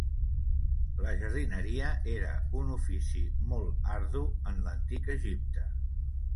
La jardineria era un ofici molt ardu en l'Antic Egipte.